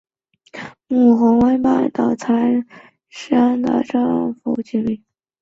屋苑原本是私人参建的政府居者有其屋项目红湾半岛。